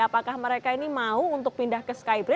apakah mereka ini mau untuk pindahkan